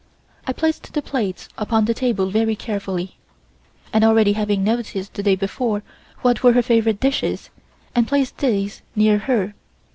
I placed the plates upon the table very carefully, and already having noticed the day before what were her favorite dishes, and placed these near her.